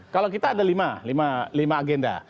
kalau kita ada lima agenda